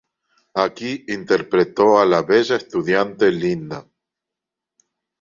Aquí interpretó a la bella estudiante Linda.